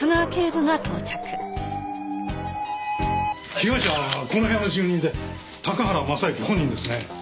被害者はこの部屋の住人で高原雅之本人ですね。